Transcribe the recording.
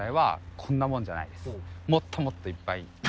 もっともっといっぱい。